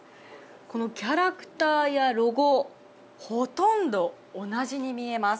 このキャラクターやロゴはほとんど同じに見えます。